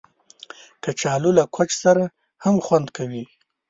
کچالو له کوچ سره هم خوند کوي